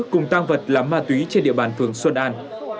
cùng tăng vật là ma túy trên địa bàn phường xuân an